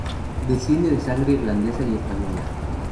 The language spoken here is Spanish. Desciende de sangre irlandesa y española.